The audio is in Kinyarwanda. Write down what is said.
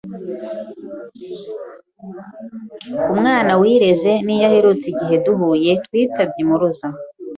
Umwana wireze" ni yo aherutse Igihe duhuye twitabye Impuruza